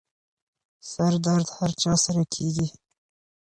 سردرد هر چا سره کېږي.